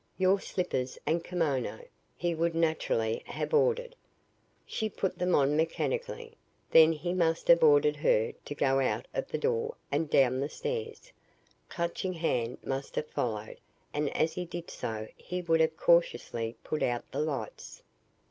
'Your slippers and a kimono,' he would naturally have ordered. She put them on mechanically. Then he must have ordered her to go out of the door and down the stairs. Clutching Hand must have followed and as he did so he would have cautiously put out the lights."